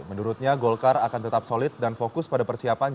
menurutnya golkar akan tetap solid dan fokus pada persiapan